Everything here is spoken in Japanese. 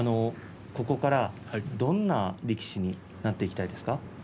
ここからどんな力士になっていきたいですか。